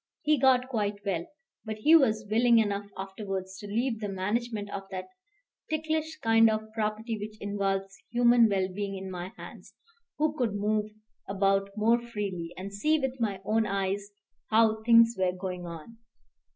He got quite well; but he was willing enough afterwards to leave the management of that ticklish kind of property which involves human well being in my hands, who could move about more freely, and see with my own eyes how things were going on.